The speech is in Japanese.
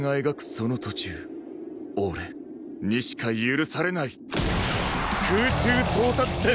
俺にしか許されない空中到達点！